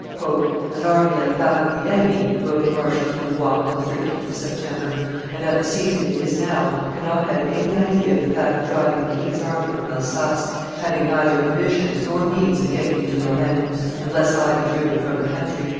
"An army like that of the enemy," wrote the marshal to Louvois, on the 13th of Septem ber, "and at the season it is now, cannot have any idea but that of driving the king's army from Alsace, having neither provisions nor means of getting into Lorraine, unless I be driven from the country."